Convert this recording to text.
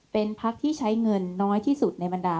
เป็นพักที่ใช้เงินน้อยที่สุดในบรรดา